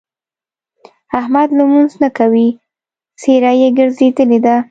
احمد لمونځ نه کوي؛ څېره يې ګرځېدلې ده.